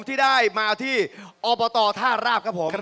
ที่ได้มาที่อบตท่าราบครับผม